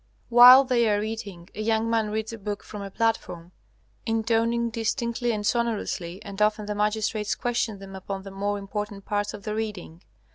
While they are eating a young man reads a book from a platform, intoning distinctly and sonorously, and often the magistrates question them upon the more important parts of the reading.